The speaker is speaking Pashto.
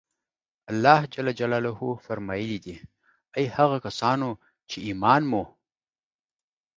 الله جل جلاله فرمایلي دي: اې هغه کسانو چې ایمان مو